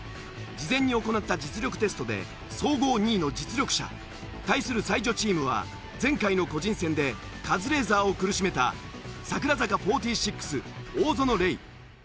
事前に行った実力テストで総合２位の実力者。対する才女チームは前回の個人戦でカズレーザーを苦しめた櫻坂４６大園玲。